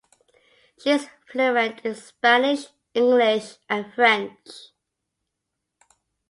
She is fluent in Spanish, English and French.